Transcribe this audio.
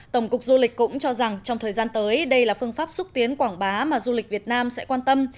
tổng cục du lịch cũng cho rằng trong thời gian tới đây là phương pháp xúc tiến quảng bá mà du lịch việt nam sẽ quan tâm